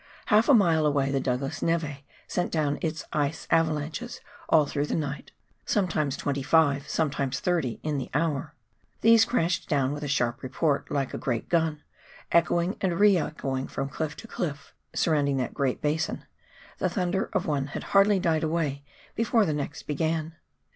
HaK a mile away the Douglas neve sent down its ice avalanches all through the night — sometimes twenty five, sometimes thirty in thfe hour. These crashed down with a sharp report, like a great gun, echoing and re echoing from clifi" to cliff surrounding that great basin ; the thunder of one had hardly died away before the next began.